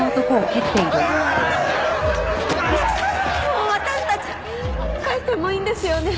もう私たち帰ってもいいんですよね？